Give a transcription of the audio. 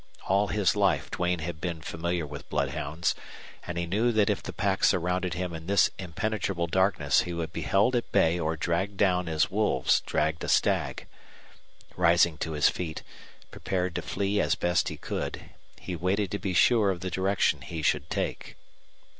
All his life Duane had been familiar with bloodhounds; and he knew that if the pack surrounded him in this impenetrable darkness he would be held at bay or dragged down as wolves dragged a stag. Rising to his feet, prepared to flee as best he could, he waited to be sure of the direction he should take.